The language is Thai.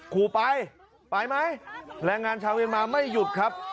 ขู่ไปไปไหมแรงงานชาวเมียนมาไม่หยุดครับ